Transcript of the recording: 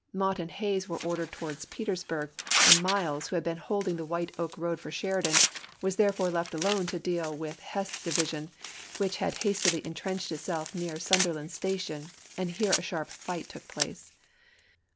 Mott and Hays were ordered to wards Petersburg, and Miles, who had been holding the White Oak road for Sheridan, was therefore left alone to deal with Heth's division, which had hastily intrenched itself near Sutherland's Station, and here a sharp fight took place.